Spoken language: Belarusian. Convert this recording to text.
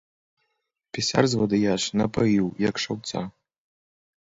Пісар, звадыяш, напаіў, як шаўца.